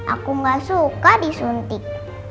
aku gak suka disuntik